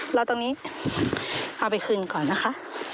เราตรงนี้เอาไปคืนก่อนนะคะ